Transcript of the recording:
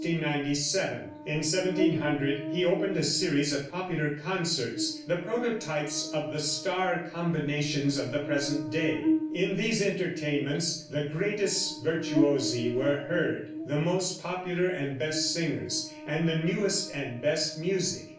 In 1700 he opened a series of popular concerts, the prototypes of the star combinations of the present day. In these entertainments the greatest virtuosi were heard, the most popular and best singers, and the newest and best music.